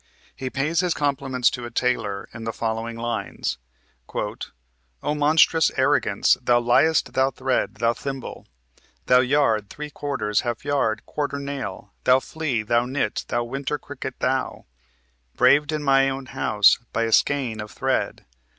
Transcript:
He pays his compliments to a tailor in the following lines: "O monstrous arrogance! Thou liest, thou thread, thou thimble, Thou yard, three quarters, half yard, quarter, nail, Thou flea, thou nit, thou winter cricket thou; Braved in my own house by a skein of thread!